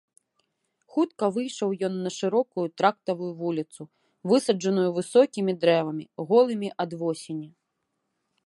Хутка выйшаў ён на шырокую трактавую вуліцу, высаджаную высокімі дрэвамі, голымі ад восені.